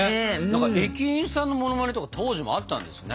駅員さんのモノマネとか当時もあったんですね。